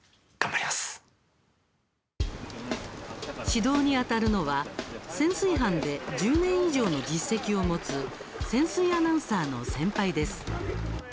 指導にあたるのは潜水班で１０年以上の実績を持つ潜水アナウンサーの先輩です。